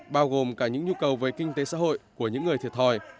bao gồm cả những nhu cầu về kinh tế xã hội của những người thiệt thòi